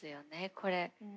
これ。